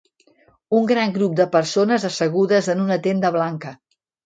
Un gran grup de persones assegudes en una tenda blanca.